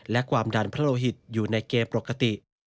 และความดันพระโลหิตอยู่ในเกณฑ์ปกติ